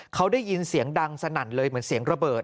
เขาได้ยินเสียงดังสนั่นเลยเหมือนเสียงระเบิด